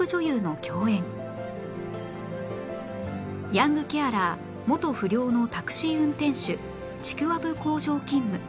ヤングケアラー元不良のタクシー運転手ちくわぶ工場勤務